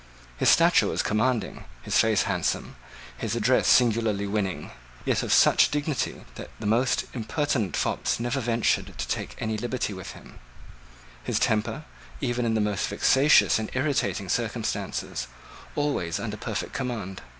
His stature was commanding, his face handsome, his address singularly winning, yet of such dignity that the most impertinent fops never ventured to take any liberty with him; his temper, even in the most vexatious and irritating circumstances, always under perfect command.